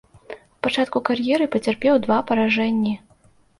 У пачатку кар'еры пацярпеў два паражэнні.